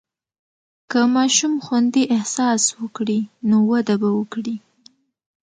که ماشوم خوندي احساس وکړي، نو وده به وکړي.